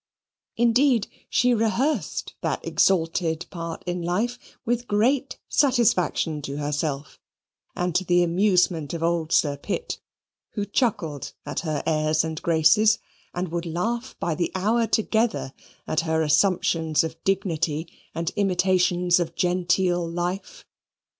Indeed, she rehearsed that exalted part in life with great satisfaction to herself, and to the amusement of old Sir Pitt, who chuckled at her airs and graces, and would laugh by the hour together at her assumptions of dignity and imitations of genteel life.